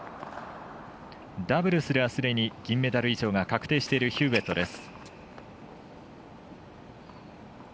ダブルスでは、すでに銀メダル以上が確定しているヒューウェットです。